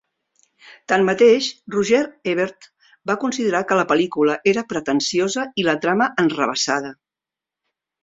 Tanmateix, Roger Ebert va considerar que la pel·lícula era pretensiosa i la trama enrevessada.